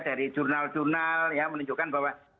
dari jurnal jurnal ya menunjukkan bahwa